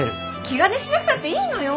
気兼ねしなくたっていいのよ。